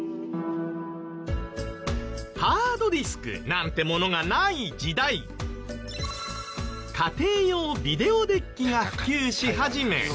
ハードディスクなんてものがない時代家庭用ビデオデッキが普及し始め。